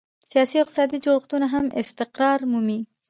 سیاسي او اقتصادي جوړښتونه هم استقرار مومي.